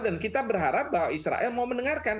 dan kita berharap bahwa israel mau mendengarkan